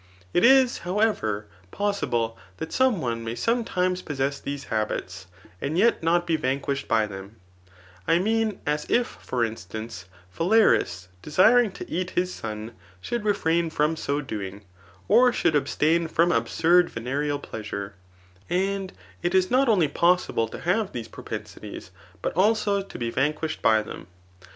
It is, however, possible, that some one may sometimes possess these habits^ and yet not be Digitized by Google 260 THE NICOMACHEAN ~ BOOK TII« vanquished by them ; I mean, as if, for instance, Him laris desiring to eat his son should refrain from so doings or should abstain horn absurd venereal pleasure. And it is not only possible to have these propensities, but dao to be vanquislied by them.